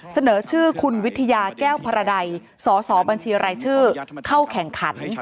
เสนอชื่อคุณวิทยาแก้วพระใดสสบัญชีรายชื่อเข้าแข่งขัน